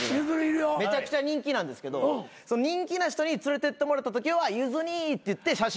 めちゃくちゃ人気なんですけど人気な人に連れてってもらったときはゆず兄！って言って写真撮ってあげたり。